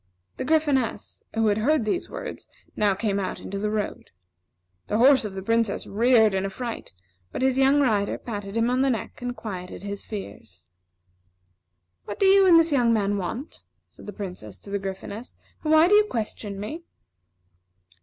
The Gryphoness, who had heard these words, now came out into the road. The horse of the Princess reared in affright, but his young rider patted him on the neck, and quieted his fears. "What do you and this young man want?" said the Princess to the Gryphoness, "and why do you question me?"